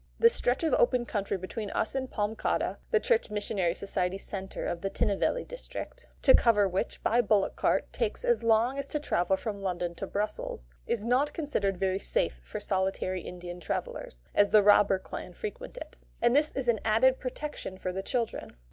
The stretch of open country between us and Palamcottah (the Church Missionary Society centre of the Tinnevelly district), to cover which, by bullock cart, takes as long as to travel from London to Brussels, is not considered very safe for solitary Indian travellers, as the robber clan frequent it, and this is an added protection for the children.